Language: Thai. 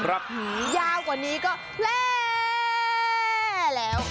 หื้อยาวกว่านี้ก็แพร่แล้ว